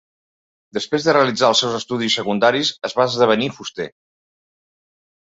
Després de realitzar els seus estudis secundaris es va esdevenir fuster.